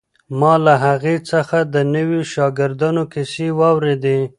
ما له هغې څخه د نویو شاګردانو کیسې واورېدې.